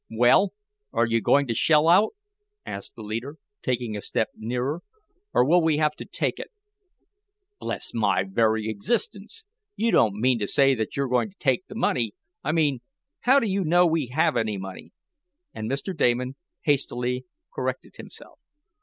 "Well, are you going to shell out?" asked the leader, taking a step nearer, "or will we have to take it?" "Bless my very existence! You don't mean to say that you're going to take the money I mean how do you know we have any money?" and Mr. Damon hastily corrected himself.